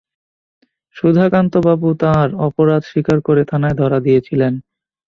সুধাকান্তবাবু তাঁর অপরাধ স্বীকার করে থানায় ধরা দিয়েছিলেন।